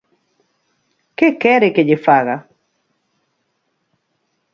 ¡Que quere que lle faga!